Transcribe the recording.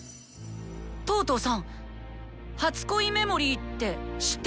トートーさん「初恋メモリー」って知ってます？